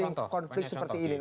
disempatkan konflik seperti ini